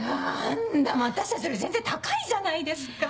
何だ私たちより全然高いじゃないですか。